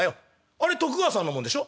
「あれ徳川さんのもんでしょ？」。